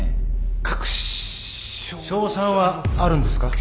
勝算はあるんですか？